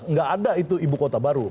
gak ada itu ibu kota barat